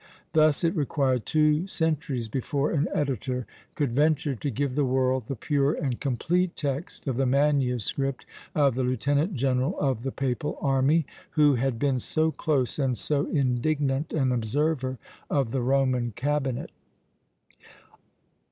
Thus, it required two centuries before an editor could venture to give the world the pure and complete text of the manuscript of the lieutenant general of the papal army, who had been so close and so indignant an observer of the Roman cabinet.